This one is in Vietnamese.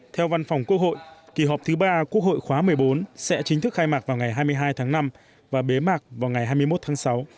theo văn phòng quốc hội kỳ họp thứ ba quốc hội khóa một mươi bốn sẽ chính thức khai mạc vào ngày hai mươi hai tháng năm và bế mạc vào ngày hai mươi một tháng sáu